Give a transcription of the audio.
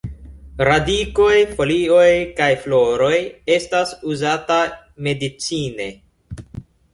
Radikoj, folioj kaj floroj estas uzata medicine.